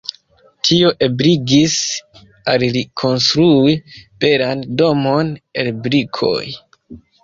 Tio ebligis al li konstrui belan domon el brikoj.